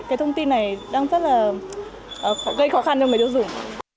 cái thông tin này đang rất là gây khó khăn cho người tiêu dùng